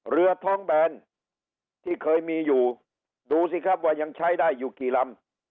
เรือท้องแบนที่เคยมีอยู่ดูสิครับว่ายังใช้ได้อยู่กี่ลำ